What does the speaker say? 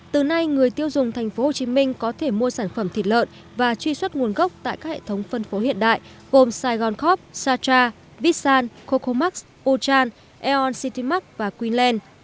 từ nay người tiêu dùng tp hcm có thể mua sản phẩm thịt lợn và truy xuất nguồn gốc tại các hệ thống phân phố hiện đại gồm saigon cop sartra vitsan cocomax ochan eon citymark và queenland